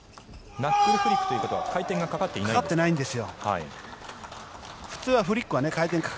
ナックルフリックということは回転がかかっていないんですか？